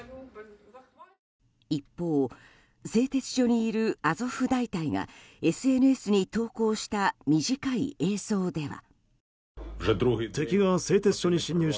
一方、製鉄所にいるアゾフ大隊がＳＮＳに投稿した短い映像では。